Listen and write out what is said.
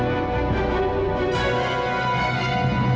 bisa ada berarti